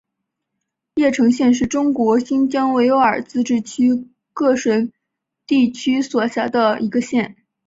叶城县是中国新疆维吾尔自治区喀什地区所辖的一个县。